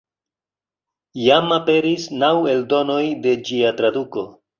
Jam aperis naŭ eldonoj de ĝia traduko.